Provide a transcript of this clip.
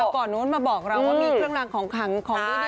ก่อนนู้นมาบอกเราว่ามีเครื่องรางของขังของดีนะ